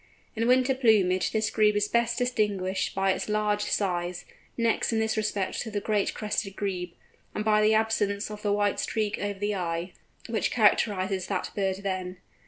In winter plumage this Grebe is best distinguished by its large size—next in this respect to the Great Crested Grebe—and by the absence of the white streak over the eye, which characterises that bird then.